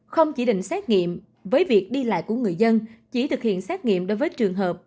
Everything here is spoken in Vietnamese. không chỉ định xét nghiệm với việc đi lại của người dân chỉ thực hiện xét nghiệm đối với trường hợp